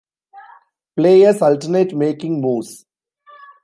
Players alternate making moves.